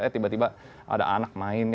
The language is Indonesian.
eh tiba tiba ada anak main